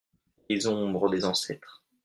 Les Ombres des Ancêtres.